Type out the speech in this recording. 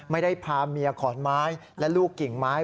ไม่ได้พาเมียขอนไม้และลูกกิ่งไม้